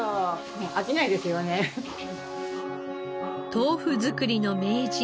豆腐作りの名人